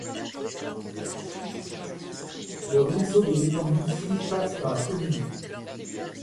Le ruisseau de l'étang Moussy passe dans la commune.